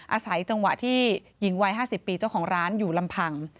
อาศัยจังหวะที่หญิงวัย๕๐ปีเจ้าของร้านอยู่ลำพัง